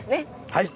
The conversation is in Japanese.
はい！